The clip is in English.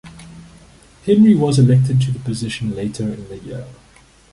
Henry was elected to the position later in the year.